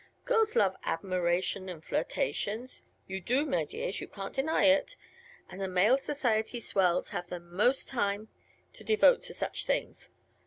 Girls love admiration and flirtations you do, my dears; you can't deny it and the male society swells have the most time to devote to such things.